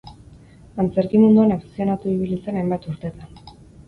Antzerki munduan afizionatu ibili zen hainbat urtetan.